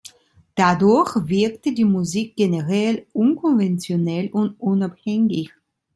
Dadurch wirkte die Musik generell „unkonventionell“ und „unabhängig“.